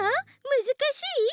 むずかしい？